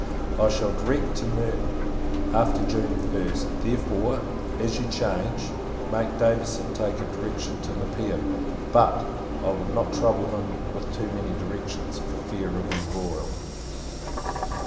I shall direct to Merton, after June 1st. Therefore, as you change, make Davison take a direction to Nepean; but, I would not trouble him with too many directions, for fear of embroil.